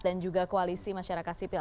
dan juga koalisi masyarakat sipil